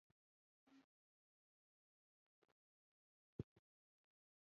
مینه او مننه کوم آرین له تاسو محترمو څخه.